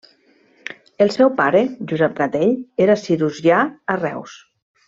El seu pare, Josep Gatell, era cirurgià a Reus.